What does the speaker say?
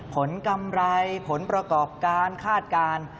กำไรผลประกอบการคาดการณ์